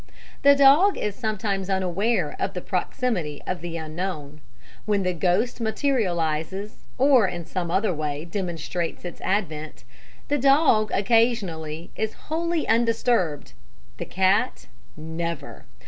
"The dog is sometimes unaware of the proximity of the Unknown. When the ghost materializes or in some other way demonstrates its advent, the dog, occasionally, is wholly undisturbed the cat never.